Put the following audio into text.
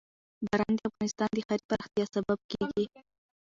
باران د افغانستان د ښاري پراختیا سبب کېږي.